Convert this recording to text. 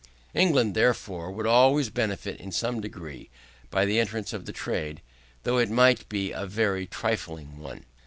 England, therefore, would always benefit in some degree by the existence of the trade, though it might be in a very trifling one.